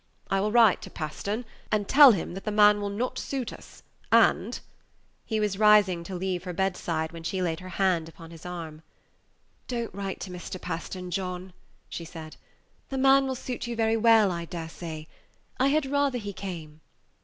I will write to Pastern, and tell him that the man will not suit us; and " He was rising to leave her bedside, when she laid her hand upon his arm. "Don't write to Mr. Pastern, John," she said; "the man will suit you very well, I dare say. I had rather he came."